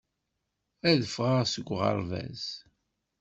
Ad ffɣeɣ seg uɣerbaz